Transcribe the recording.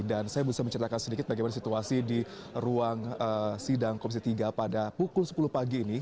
dan saya bisa menceritakan sedikit bagaimana situasi di ruang sidang komisi tiga pada pukul sepuluh pagi ini